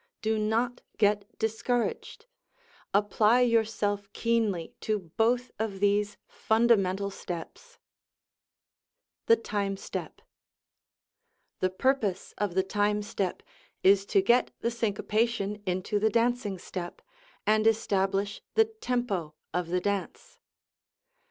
Do not get discouraged. Apply yourself keenly to both of these fundamental steps. [Illustration: PRIVATE LOCKERS IN DRESSING ROOMS] THE TIME STEP The purpose of the time step is to get the syncopation into the dancing step, and establish the "tempo" of the dance.